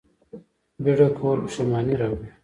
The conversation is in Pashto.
بیړه کول پښیماني راوړي